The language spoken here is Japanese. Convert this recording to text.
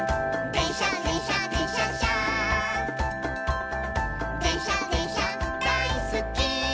「でんしゃでんしゃだいすっき」